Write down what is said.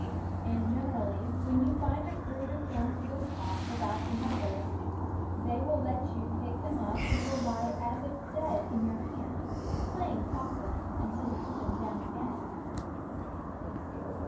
And generally, when you find a brood of young woodcock without the mother, they will let you pick them up and will lie as if dead in your hand, playing possum, until you put them down again.